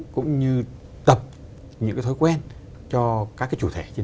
cũng như tập những thói quen cho các chủ thể trên thị trường